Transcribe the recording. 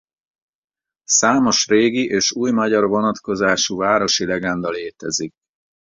Számos régi és új magyar vonatkozású városi legenda létezik.